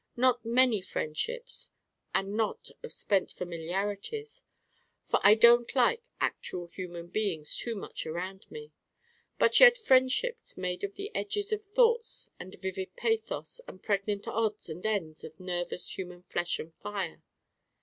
Not many friendships and not of spent familiarities: for I don't like actual human beings too much around me. But yet friendships made of the edges of thoughts and vivid pathos and pregnant odds and ends of nervous human flesh and fire.